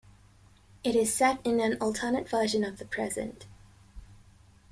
It is set in an alternate version of the present.